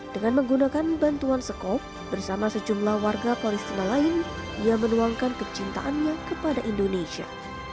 dengan menggunakan bantuan sekop bersama sejumlah warga palestina lain ia menuangkan kecintaannya kepada indonesia